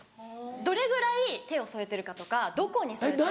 どれぐらい手を添えてるかとかどこに添えてるか。